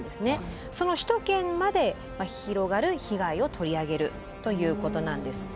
その首都圏まで広がる被害を取り上げるということなんです。